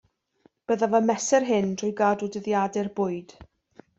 Byddaf yn mesur hyn trwy gadw dyddiadur bwyd